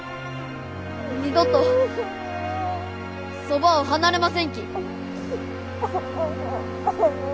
二度とそばを離れませんき。